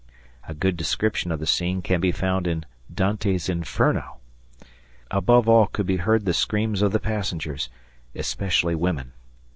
A. good description of the scene can be found in Dante's "Inferno." Above all could be heard the screams of the passengers especially women.